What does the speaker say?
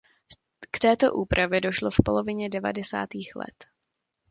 K této úpravě došlo v polovině devadesátých let.